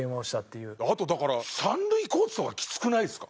あとだから三塁コーチとかきつくないですか？